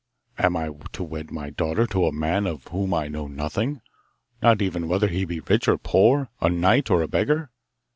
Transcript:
am I to wed my daughter to a man of whom I know nothing. Not even whether he be rich or poor a knight or a beggar.